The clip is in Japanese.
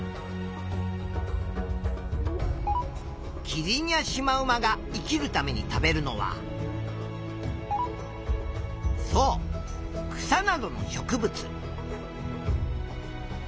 キリンやシマウマが生きるために食べるのはそう草などの植物。